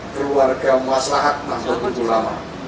keluarga maslahat nantutu ulama